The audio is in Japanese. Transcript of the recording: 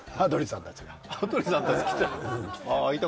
羽鳥さんたち来てた？